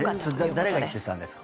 それ誰が言ってたんですか？